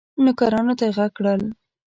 نوکرانو ته یې ږغ کړل